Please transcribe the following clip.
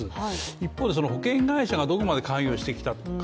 一方で保険会社がどこまで関与してきたか。